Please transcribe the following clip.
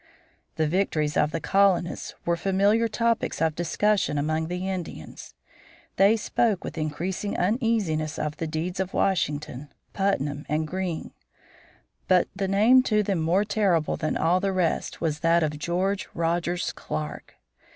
The victories of the colonists were familiar topics of discussion among the Indians. They spoke with increasing uneasiness of the deeds of Washington, Putnam, and Greene. But the name to them more terrible than all the rest was that of George Rogers Clark.